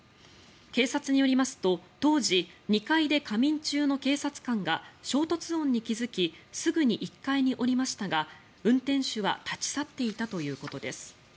警察によりますと当時、２階で仮眠中の警察官が衝突音に気付きすぐに１階に下りましたが運転手は立ち去っていたということです。